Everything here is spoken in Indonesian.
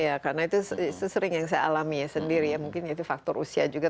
iya karena itu sesering yang saya alami ya sendiri ya mungkin itu faktor usia juga